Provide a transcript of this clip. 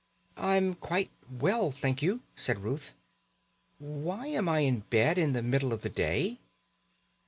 "I'm quite well, thank you," said Ruth. "Why am I in bed in the middle of the day?"